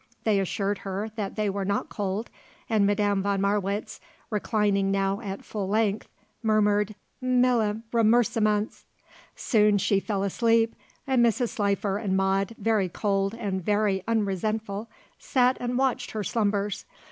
They assured her that they were not cold and Madame von Marwitz, reclining now at full length, murmured "Mille remerciements." Soon she fell asleep and Mrs. Slifer and Maude, very cold and very unresentful, sat and watched her slumbers.